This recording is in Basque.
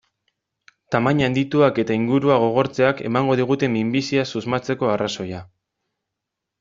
Tamaina handituak eta ingurua gogortzeak emango digute minbiziaz susmatzeko arrazoia.